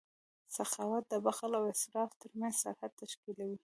سخاوت د بخل او اسراف ترمنځ سرحد تشکیلوي.